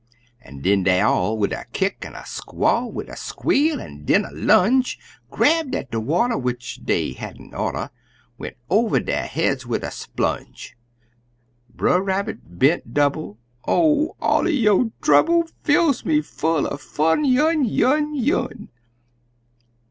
An' den dey all, wid a kick an' a squall, Wid a squeal an' den a lunge, Grabbed at de water which dey hadn't oughter Went over der heads wid a splunge; Brer Rabbit bent double, "Oh, all er yo' trouble Fills me full er fun unj unj!" HOW MR.